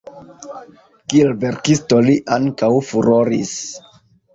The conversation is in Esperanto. Kiel verkisto li ankaŭ furoris.